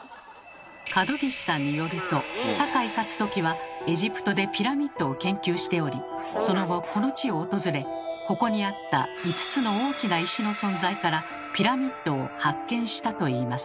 角岸さんによると酒井勝軍はエジプトでピラミッドを研究しておりその後この地を訪れここにあった５つの大きな石の存在からピラミッドを発見したといいます。